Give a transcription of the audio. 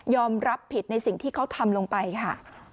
รับผิดในสิ่งที่เขาทำลงไปค่ะ